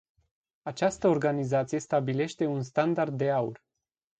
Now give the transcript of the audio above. Această organizație stabilește un "standard de aur”.